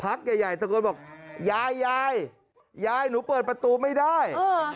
ใหญ่ตะโกนบอกยายยายยายหนูเปิดประตูไม่ได้